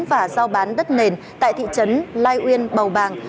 và giao bán đất nền tại thị trấn lai uyên bầu bàng